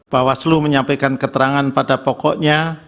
bawaslu menyampaikan keterangan pada pokoknya